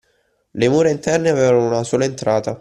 Le mura interne avevano una sola entrata